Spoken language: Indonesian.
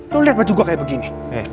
lo liat baju gua kayak begini